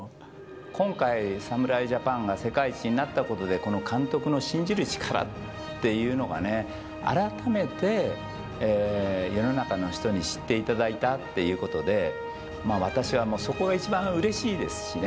今回、侍ジャパンが世界一になったことで、この監督の信じる力いっていうのがね、改めて世の中の人に知っていただいたっていうことで、私はそこが一番うれしいですしね。